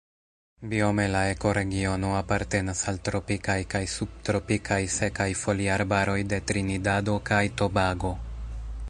Biome la ekoregiono apartenas al tropikaj kaj subtropikaj sekaj foliarbaroj de Trinidado kaj Tobago.